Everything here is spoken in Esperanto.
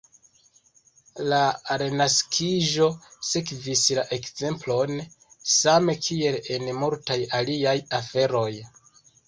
La Renaskiĝo sekvis la ekzemplon, same kiel en multaj aliaj aferoj.